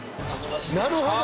なるほど。